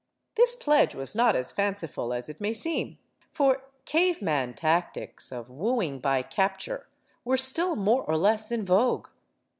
This pledge was not as fanciful as it may seem. For, cave man tactics of "wooing by capture" were still more or less in vogue.